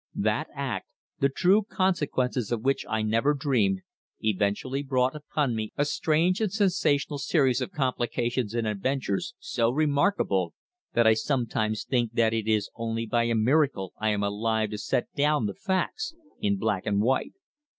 That act, the true consequences of which I never dreamed, eventually brought upon me a strange and sensational series of complications and adventures so remarkable that I sometimes think that it is only by a miracle I am alive to set down the facts in black and white.